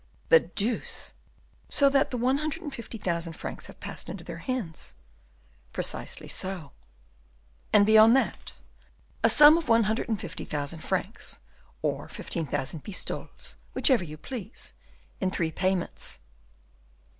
"The deuce! so that the one hundred and fifty thousand francs have passed into their hands." "Precisely so." "And beyond that?" "A sum of one hundred and fifty thousand francs, or fifteen thousand pistoles, whichever you please, in three payments."